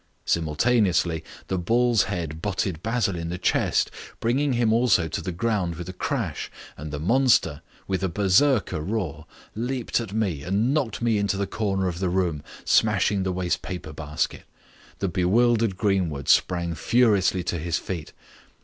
Simultaneously the bull's head butted Basil in the chest, bringing him also to the ground with a crash, and the monster, with a Berserker roar, leaped at me and knocked me into the corner of the room, smashing the waste paper basket. The bewildered Greenwood sprang furiously to his feet.